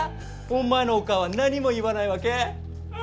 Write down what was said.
お前のオカーは何も言わないわけ？